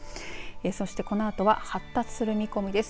そしてこのあとは発達する見込みです。